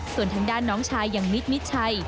ส่วนทางด้านน้องชายอย่างมิดมิดชัย